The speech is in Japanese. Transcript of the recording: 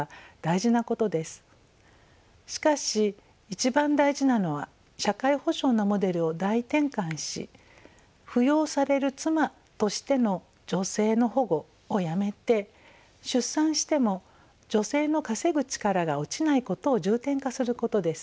しかし一番大事なのは社会保障のモデルを大転換し扶養される妻としての女性の保護をやめて出産しても女性の稼ぐ力が落ちないことを重点化することです。